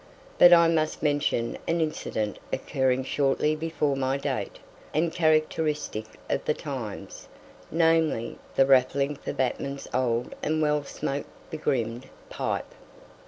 But I must mention an incident occurring shortly before my date, and characteristic of the times, namely, the raffling for Batman's old and well smoke begrimed pipe.